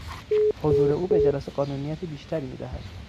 حضور او به جلسه قانونیت بیشتری میدهد.